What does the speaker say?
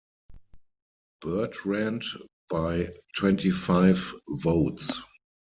Bertrand by twenty-five votes.